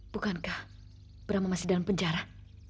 bukankah bram masih dalam penjara